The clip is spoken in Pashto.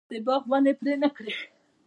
هغه د باغ ونې پرې نه کړې.